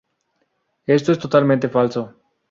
Esto es totalmente falso.